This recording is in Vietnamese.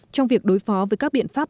trong việc đối phó với các biện pháp